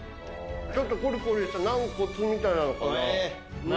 ちょっとこりこりした軟骨みたいなのかな？